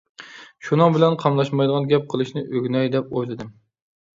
شۇنىڭ بىلەن قاملاشمايدىغان گەپ قىلىشنى ئۆگىنەي دەپ ئويلىدىم.